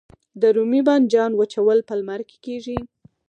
د رومي بانجان وچول په لمر کې کیږي؟